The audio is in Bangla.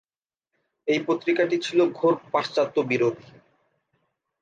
এই পত্রিকাটি ছিল ঘোর-পাশ্চাত্যবিরোধী।